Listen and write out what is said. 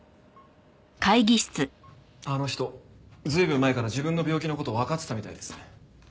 あの人随分前から自分の病気の事わかってたみたいですね。